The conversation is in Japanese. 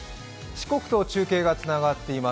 四国と中継がつながっています。